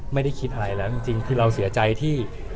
ไม่ได้คิดอะไรแล้วจริงคือเราเสียใจที่